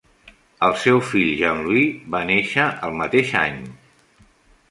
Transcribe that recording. El seu fill Jean-Louis va néixer el mateix any.